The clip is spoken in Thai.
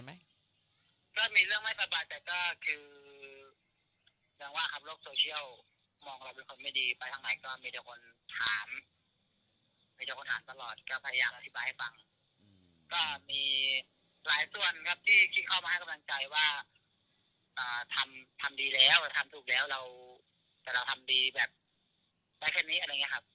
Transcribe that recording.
ทำดีแล้วทำถูกแล้วแต่เราทำดีแบบได้แค่นี้